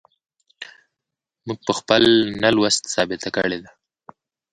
موږ په خپل نه لوست ثابته کړې ده.